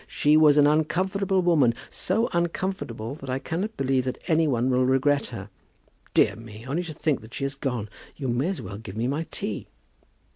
She was an uncomfortable woman, so uncomfortable that I cannot believe that any one will regret her. Dear me! Only to think that she has gone! You may as well give me my tea."